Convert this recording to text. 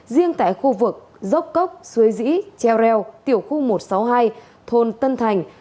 riêng tại khu vực dốc cốc suối dĩ treo reo tiểu khu một trăm sáu mươi hai thôn tân thành